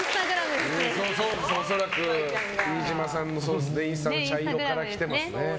恐らく飯島さんのインスタの茶色から来てますね。